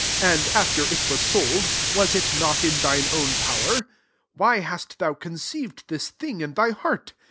and, after it was sold, was it not in thine own power ? Why hast thou conceived this thhig in thy heart?